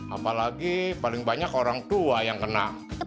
apalagi paling banyak orang tua yang kena